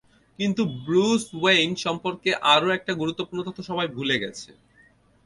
কিন্তু Bruce Wayne সম্পর্কে আরও একটা গুরুত্বপূর্ণ তথ্য সবাই ভুলে গেছে।